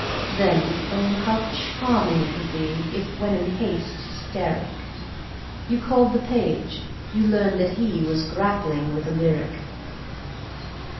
Then, oh, how charming it would be If, when in haste hysteric You called the page, you learned that he Was grappling with a lyric.